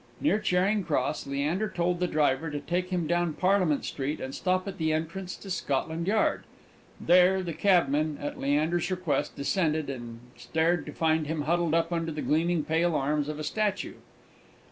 Near Charing Cross, Leander told the driver to take him down Parliament Street, and stop at the entrance to Scotland Yard; there the cabman, at Leander's request, descended, and stared to find him huddled up under the gleaming pale arms of a statue.